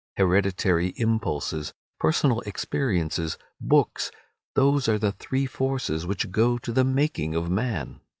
Hereditary impulses, personal experiences, books—those are the three forces which go to the making of man.